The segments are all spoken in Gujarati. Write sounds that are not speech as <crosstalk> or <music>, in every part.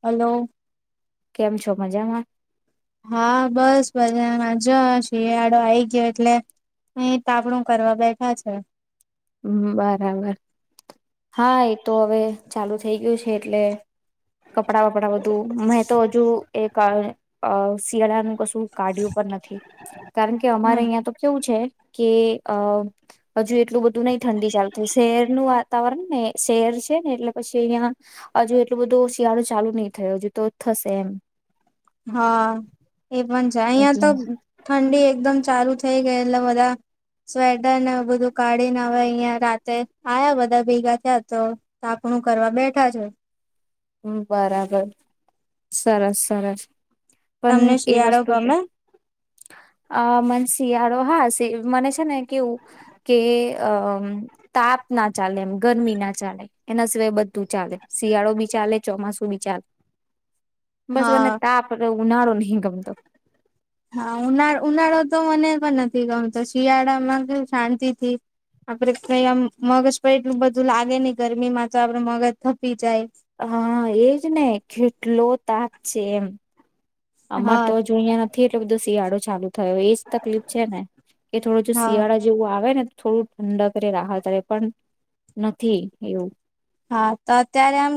હલો. કેમ છો મજામાં. હા બસ બધાંમાં મજોઆ શિયાળો આઈ ગયો છે એટલે અહી તાપણું કરવા બેઠા છે. બરાબર હા એતો હવે ચાલુ થઈ ગયું છે એટલે... કપડા વપડા બધું મેં તો હજુ એક અ શિયાળાનું કશું કાઢ્યું પણ નથી કારણ કે અમારે અહિયાં તો કેવું છે... કે અ હજુ એટલું બધું... ઘુ નહી ઠંડી ચાલુ થ શહેરનું વાતાવરણ ને શહેર છે ને એટલે પછી અહીંયા હજુ એટલું બધું શિયાળું ચાલુ નહી થયું હજુ તો થશે એમ. હા. એ પણ જાય અહિયાં એટલે. તો ઠંડી એકદમ ચાલુ થઈ ગય એટલે બધા સ્વેટર ને બધું કાઢીને હવે અહિયાં રાતે આવ્યા બધા ભેગા થયા તો તાપણું કરવા બેઠા છે. હમ્ બરાબર સરસ સરસ. પણ તમને એ શિયાળો વસ્તુ કે ગમે? મ.. <unintelligible> શિયાળો હા મને છે ને કેવું કે અ તાપ ના ચાલે એમ ગરમી ના ચાલે એના સિવાય બધું ચાલે શિયાળો બી. ચાલે ચોમાસું વિ ચાલે.. બસ મને હા. તાપ.. <unintelligible> ઉનાળો નહી ગમતો. હા ઉનાળ ઉનાળો તો મને પણ નથી ગમતો શિયાળામાં કેવુશાંતિ થી આપડે કઇ આમ મગજ પણ એટલું બધું લાગે નહી ગરમી માં તો આપડે મગજ ભપી જાય. હા એજ ને કેટલો તાક છે એમ. અમાર હા તો હજુ અઈયા નથી એટલે બધો શિયાળો.. ચાલું.. થયો એજ તકલીફ છે ને કે થોડો જો હા શિયાળા જેવું આવે ને. થોડું ઠંડક રે રાહત રે પણ નથી એવું.. હા તો અત્યારે આમ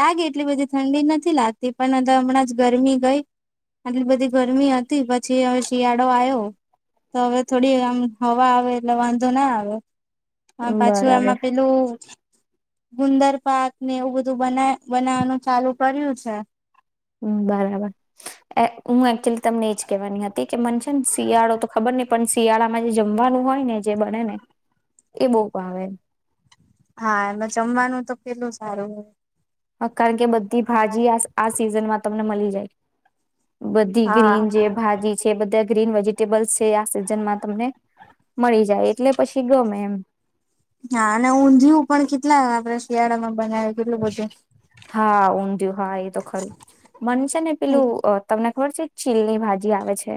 લાગી એટલી બધી ઠંડી નથી લાગતી પણ હમણાં જ ગરમી ગઈ આટલી બધી ગરમી હતી પછી હવે શિયાળો આવ્યો તો હવે થોડી આમ હવા આવે એટલે વાંધો ના આવે. હ પાછું બરાબર એમાં પેલું. ગુંદર પાક ને એવું બધું બના બનાવાનું ચાલુ કર્યું છે. હ બરાબર એ હું એકચુલી તમને એજ કેવાની હતી કે મન છે ને શિયાળો તો ખબર નહીં પણ શિયાળામાં જે જમવાનું હોય ને જે બને ને એ બહુ ભાવે. હા એમાં જમવાનું તો કેટલું સારું હોય. કારણ કે બધી ભાજી આ આ સિઝનમાં તમને મલી જાય.. બધી હા ગ્રીન જે ભાજી છે બધાય... ગ્રીન વેજીિટેબલ્સ છે આ સિઝનમાં તમને મળી જાય એટલે પછી ગમે એમ્ હા અને ઊંધિયું પણ કેટલા આપડે શિયાળામાં બનાવે કેટલું બધું. હા ઊંધિયું હા એ તો ખરું મન છે ને પેલું તમને ખબર છે. ચીલની ભાજી આવે છે..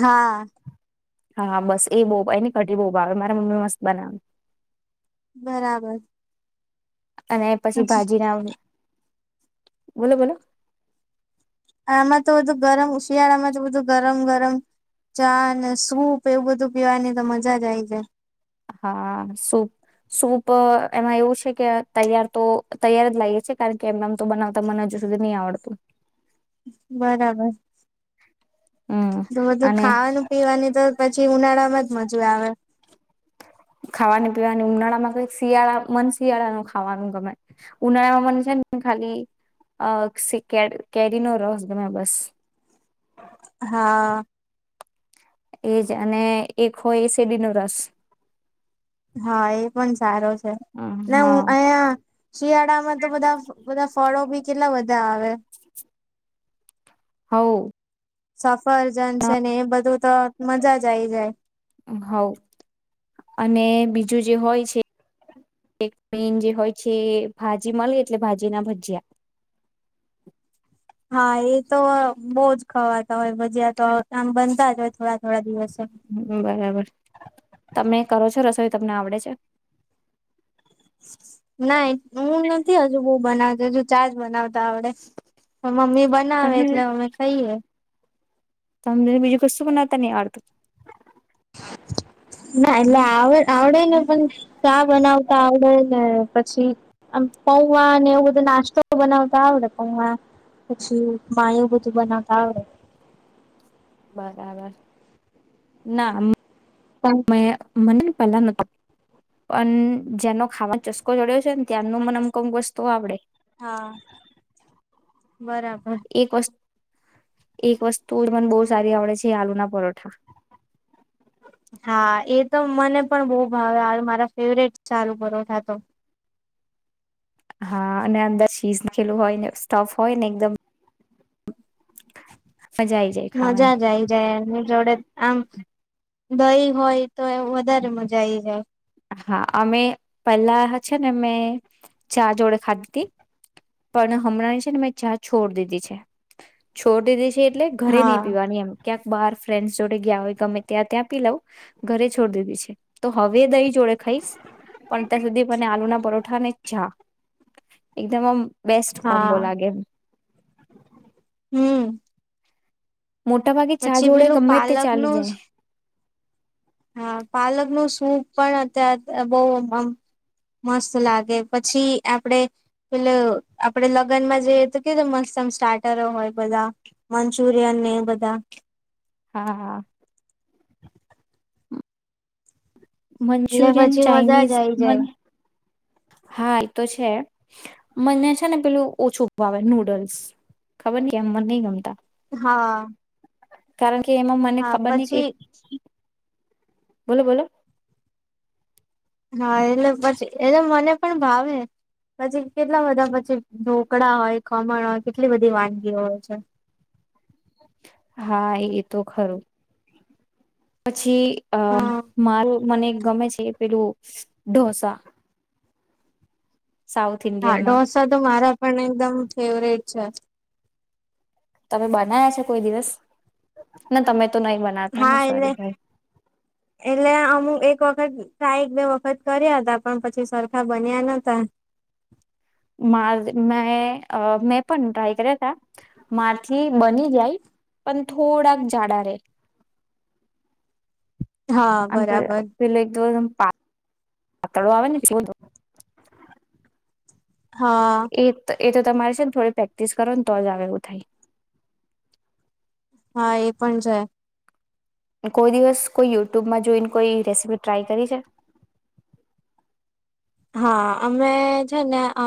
હા. હા બસ એ બહુ એની કઢી બહુ ભાવ મારા મમ્મી મસ્ત બનાવે.. બરાબર. અને પછી ભાજી ના. બોલો-બોલો આમાં તો બધું ગરમ શિયાળામાં તો બધું ગરમ-ગરમ ચા ને સૂપ એવું બધું પીવાની તો મજા જ આ આવી જાય. હા સૂપ.. સૂપ એમાં એવું છે કે તૈયાર તો તૈયાર જ લાઇએ છે કારણ કે એમનેમ તો બનાવતા મને હજુ સુધી નહી આવડતું. બરાબર હમ તો બધું અને ખાવાનું પીવાનું તો પછી ઉનાળામાં જ મજા આવે ખાવાને પીવાની ઉનાળામાં કઈક શિયાળા મન શિયાળા ન ખાવાનું ગમે ઉનાળામાં મને છે ને ખાલી કે કેરીનો રસ ગમે બસ. હા. એજ અને એક હોય એ શેરડી નો રસ. હા એ પણ સારો છે હમ, ને હું હા અહયા. શિયાળામાં તો બધા બધા ફળો બી કેટલા બધા આવે. હઓ. સાફ. ફરજન છે ને એ બધું. તો મજા જ આવી જાય. હ અને બીજું જે હોય છે. હ. એક મેન જે હોય છે ભાજી મળે એટલે ભાજી ના ભજીયા. હા એ તો બહુજ ખાવાતા હોય. જીયા તો હમ, આમ બનતા જ હોય. થોડા <inaudible> બરાબર તમે કરો છો રસ તોય તમને આવડે છે. ના હું નથી હજુ બહ બનાવતો હજુ ચાજ બનાવતા આવડે. મમ્મી બનાવે એટલે અમે ખઈએ. તમ બીજું કસ્શું બનાતા નહી આડતુ. ના એ એટલે આવ આવડે ને પણ ચા બનાવતા આવડે. ને પછીઆમ પૌવા અને એવું બધું નાસ્તો બનાવતા આવડે પૌવા પછી માયું બધું બનાવતા આવડે. બરાબર ના. પણ <inaudible> મને પહેલા નથી પણ જેનો ખાવાનો ચસ્કો જડ્યો છે ને્ ત્યાંનું મનમકક વસ્તતો આવડે. હા બરાબર. એક વસ્તુ એક વસ્તુ મને બહુ સારી આવડે છે આલુના પરોઠા. હા એ તો મને પણ બહુ ભાવે મારા ફેવરેટ સારું પરોઠા તો. હા અને અંદર શીઝ નાખેલું હોય ને સ્ટફ હોય ને એકદમ્ આઈ જાય મજા જ આ ખાવાની આવી જાય જોડે. આમ દહી હોય તો એ વધારે મજા આઈ જાવ. હા અમે પહેલા છે ને મેં ચા જોડે ખાધી તી પણ હમણાંની છે ને મેં ચા છોડી દીધી છે. છોડી દીધીછ એટલે ઘરે નહી હા પીવાની એમ ક્યાંક બહાર ફ્રેન્ડસ જોડે ગયા હોય ગમે ત્યાં ત્યાં પી લઉ ઘરે છોડી દીધી છે તો હવે દઈ જોડે ખાઈશ. પણ અત્યાર સુધી મને આલુ ના પરોઠા અને ચા એકદમ આમ બેસ્ટ કોમ્બો હા. લાગે એમ હમ મોટા ભાગે ચા પછી જોડે પેલું ગમે તે પાલક ચાલી નું જાય. હા પાલક નું સૂપ પણ અત્યારે બઉ આમ મસ્ત લાગે પછી આપડે પેલે આપડે લગ્નમાં જઈ તો કેવા મસ્ત આમ સ્ટાર્ટરો હોય બધા, મંચુરિયન ને એ બધા. હા હા એટલે મંચુરિયન, પછી મજા જ ચાઈનીઝ આઈ મ જાય હા, એતો છે. મને છે, ને પેલું ઓછું ભાવે નૂડલ્સ ખબરની કેમ મને નઈ ગમતા. હા, કારણ કે.. કે એમાં મને હા ખબર નઈ, પછી કઈ બોલો, બોલો, હા, એટલે પછી એટલે મને પણ ભાવે પછી, કેટલા બધા પછી, ઢોકળા હોય, ખમણ હોય, કેટલી બધી વાનગીઓ હોય છે. હા, એ તો ખરું. પછી, અ હા મારુ, મને એક ગમે છે. પેલું ઢોસા. સાઉથ હા, ઇન્ડિયનમાં ઢોસા તો મારા પણ એકદમ ફેવરેટ. છે. તમે બનાવ્યા છે, કોઈ દિવસ. ના તમે તો નહી બનાવતા ને હા, એટલે સોરી ભાઈ એટલે અમુક એક વખત ટ્રાય એક બે વખત કર્યા હતા. પણ પછી, સરખા બન્યા નતા. માર મે એ મેં પણ ટ્રાય કર્યા તા. મારથી બની જાય પણ થોડાક જાડા રે. હા આપણે બરાબર પેલે ધોર પાતળો આવેને હ, એ એ તો તમારે છે, ને થોડી પ્રેક્ટિસ કરોને તો જ આવે એવું થાય. હા એ પણ છે. કોઈ દિવસ કોઈ યુટૂબમાં જોઈને કોઈ રેસીપી ટ્રાય કરી છે? હા અમે છે ને અ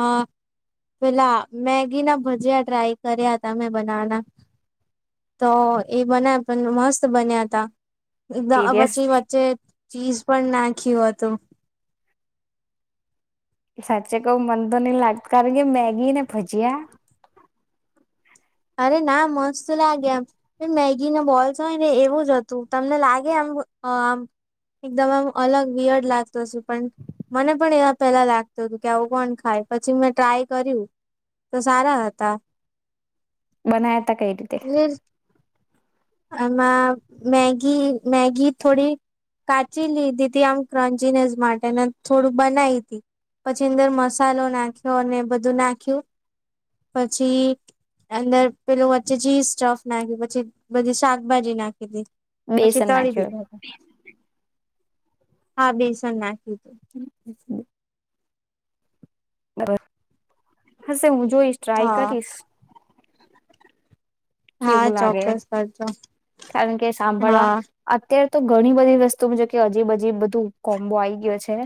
પેલા મેગી ના ભજીયા ટ્રાય કર્યા તા મેં બનાવાના તો એ બનાયા પણ મસ્ત બન્યા તા <unintelligible> સિરિયસ પછી વચ્ચે ચીઝ પણ નાખ કે વાતો સાચે કઉ મને તો નઈ લાગ કારણ કે મેગી ને ભજીયા અરે ના મસ્ત લાગે આમ મેગીના બોલ્સ હોય ને એવું જ હતું. તમને લાગે આમ અ-આમ એકદમ આમ અલગ વિયડ લાગતું હશે પણ મને પણ એવા પેલા લાગતું હતું કે આવું કોણ ખાય પછી મેં ટ્રાય કર્યું તો સારા હતા. બનાયા તા કઈ રીતે? એટલે આમાં મેગી મેગી થોડી કાચી લીધી તી આમ ક્રંચીનેશ માટે અને થોડુંક બનાઈતી પછી અંદર મસાલો નાખ્યો અને એ બધું નાખ્યું. પછી અંદર પેલું વચ્ચે ચીઝ સ્ટફ નાખ્યું પછી બધી શાકભાજી નાખીતી. પછી બેસન તળી નાખ્યો દીધા હતા. હા બેસન નાખી. <unintelligible> <inaudible> હશે હું જોઈશ ટ્રાય હા. કરીશ. હા કેવું લાગે? ચોક્કસ કરજો <inaudible> કારણ કે સાંભળવા હા અત્ય તો ઘણી બધી વસ્તુ જો કે અજીબ અજીબ બધું કોમ્બો આઈ ગયો છે.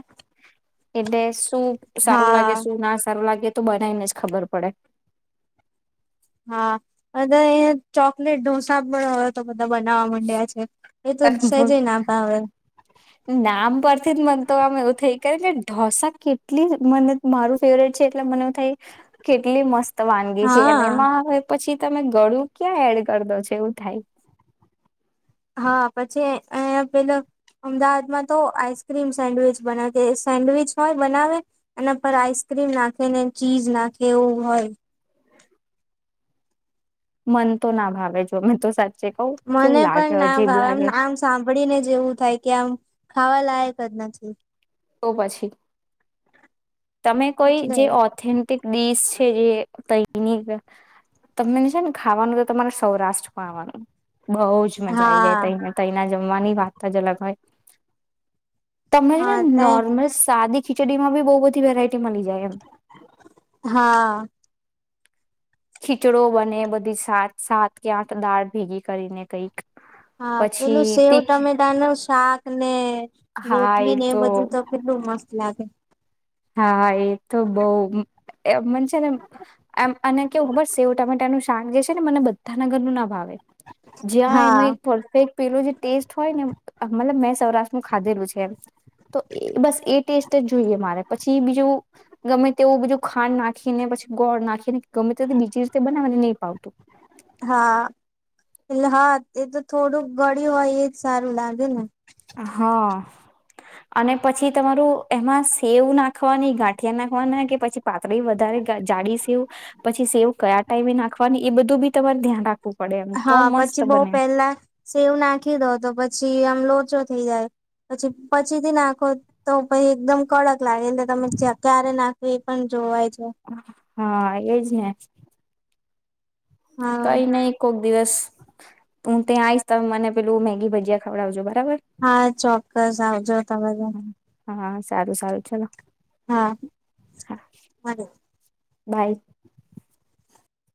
એટલે <unintelligible> સારું લાગે હા શું ના સારું લાગે તો બનાઇને જ ખબર પડે. <inaudible> હા અને ઈ ચોકલેટ ઢોસા પણ હવે તો બધ બનાવવા માંડ્યા છે એ તો છેજ ના ભાવે નામ પરથી જ મન તો આમ એવું થઈ થયકે ઢોસા કેટલી મને મારું ફેવરેટ છે એટલે મને એવુથાય કેટલી મસ્ત વાનગી છે એમ હા. એમાં આવે પછી તમે ગળું ક્યાં એડ કર દોછ એવું થાય. હા પછી અયા પેલા અમદાવાદમાં તો આઈસક્રીમ સેન્ડવીચ બનાતે સેન્ડવીચ હોય બનાવે અને પર આઈસ્ક્રીમ નાખે ને ચીઝ નાખે એવું હોય. મન તો ના ભાવે જો મેં તો સા મને પણ ના ભાવે આમ નામ સાંભળીને જેવું થાય કે આમ ખાવા લાયક જ નથી. તો પછી. તમે કોઈ એટલે જે ઓથેન્ટિક ડિશ છે એ કઈ <unintelligible> તમનને છે ને ખાવાનું એ તો તમારે સૌરાષ્ટ્રમાં આવવાનું. બઉુ જ મજા આઈ જાય હા તૈને તૈના જમવાની વાત જ અલગ હોય. તમને હા ત નોર્મલ સાદી ખિચડીમાં બૌ બ <unintelligible> વેરાઈ ટી મલી જાય એમ. હા ખીચડો બને બધી સાત સાત કે આઠ દાળ ભેગી કરીને કઈક. હા પછી પેલું સેવ તીખ ટમેટા નો શાક. અને રોટલી ને એ બધું તો કેટલું મસ્ત <unintelligible> લાગે. હા એ તો બહુ અ મને છે ને એમ અને કેવું ખબર સેવ ટામેટાનું શાાન જે છે ને મને બધા ના ઘરનું ના ભાવે. જ્યાં હા એનું એક પરફેક્ટ પેલુ જે ટેસ્ટ હોય ને. મતલબ મેં સૌરાષ્ટ્ર નું ખાધેલું છે એમ તો એ બસ એ ટેસ્ટ જ જોઈએ મારે. પછી બીજું ગમે તેવું બીજું. ખાંડ નાખીને પછી ગોળ નાખીને ગમે તે બીજી રીતે બનાવાને નહી પાવતું. હા એટલે હા એ તો થોડુંક ગળ્યું હોય એજ સારું લાગે ને. હા અને પછી તમારું એમાં સેવ નાખવાની ગાંઠિયા નાખવાના કે પછી પાતળી વધારે જાડી સેવ પછી સેવ કયા ટાઈમે નાખવાની એ બધું બી તમારે ધ્યાન રાખવું. પડે એમ તો હા પછી મસ્ત બઉ બને પેલા સેવ નાખી દો તો પછી. લોચો થઈ જાય પછી પછી થી નાખો તો પ એકદમ કડક. લાગી તમે ચકારે ના એ પણ જોવાય. છે. <unintelligible> હા એજ ને. હા કઈ નહી કોક દિવસ. હું ત્યાં આવીશ ત મને પેલું મેગી ભજીયા ખવડાવજો બરાબર હા ચોક્કસ આવજો તમે હા સારું સારું ચલો હા. હા બાય.